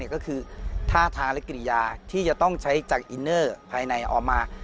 ก็คือท่าทางและกิริยาที่จะต้องใช้จากอินเนอร์ภายในออกมา